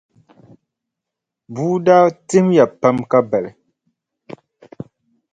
Bua daa tihimya pam ka bali.